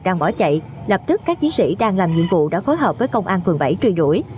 đang bỏ chạy lập tức các chiến sĩ đang làm nhiệm vụ đã phối hợp với công an phường bảy truy đuổi